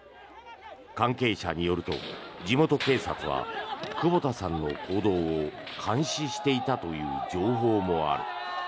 関係者によると地元警察は久保田さんの行動を監視していたという情報もある。